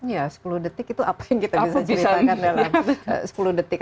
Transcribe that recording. ya sepuluh detik itu apa yang kita bisa ceritakan dalam sepuluh detik